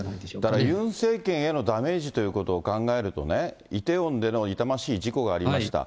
だからユン政権へのダメージということを考えるとね、イテウォンでの痛ましい事故がありました。